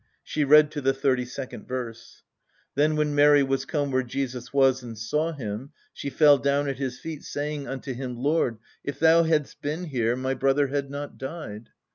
She read to the thirty second verse. "Then when Mary was come where Jesus was and saw Him, she fell down at His feet, saying unto Him, Lord if Thou hadst been here, my brother had not died.